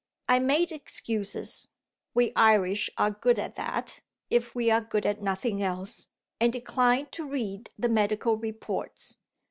I made excuses (we Irish are good at that, if we are good at nothing else), and declined to read the medical reports.